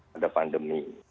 pada pandemi ini